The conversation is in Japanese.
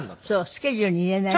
スケジュールに入れないとね。